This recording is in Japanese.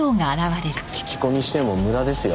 聞き込みしても無駄ですよ。